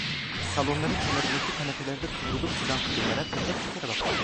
Salonların kenarındaki kanepelerde kıvrılıp sızan kadınlara teker teker baktım.